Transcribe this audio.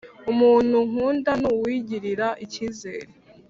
Umuntu nkunda nuwigirira ikizere